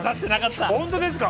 本当ですか？